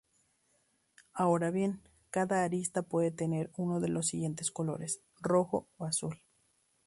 Ahora bien, cada arista puede tener uno de los siguientes colores: rojo o azul.